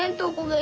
え。